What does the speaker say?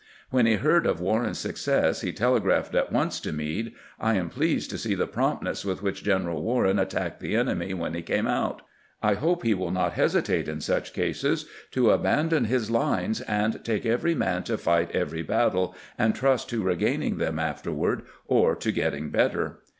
When he heard of Warren's success he telegraphed at once to Meade :" I am pleased to see the promptness with which General Warren attacked the enemy when he came out. I hope he will not hesi tate in such cases to abandon his lines and take every man to fight every battle, and trust to regaining them afterward, or to getting better."